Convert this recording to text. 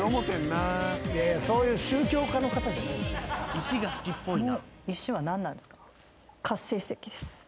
石が好きっぽいな。